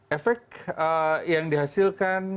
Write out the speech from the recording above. efek yang dihasilkan